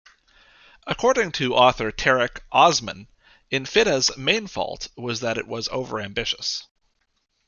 According to author Tarek Osman Infitah's main fault was that it was over ambitious.